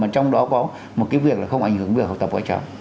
mà trong đó có một cái việc là không ảnh hưởng đến việc học tập của các cháu